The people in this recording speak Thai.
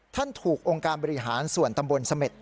ท่านถูกองค์การบริหารส่วนตำบลเสม็ด